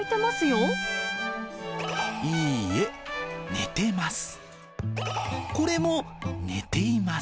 いいえ、寝てます。